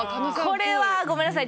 これはごめんなさい。